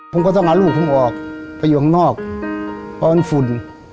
ผมก็ต้องเอาลูกขึ้นออกไปอยู่ข้างนอกป้องฝุ่น